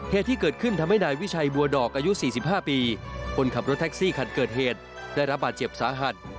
เหตุที่เกิดขึ้นทำให้นายวิชัยบัวดอกอายุ๔๕ปีคนขับรถแท็กซี่คันเกิดเหตุได้รับบาดเจ็บสาหัส